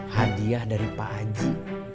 hadiah dari pak haji